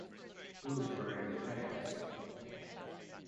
Who is wearing the pants?